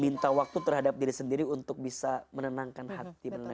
minta waktu terhadap diri sendiri untuk bisa menenangkan hati menangis